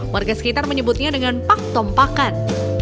warga sekitar menyebutnya dengan pak tom pakan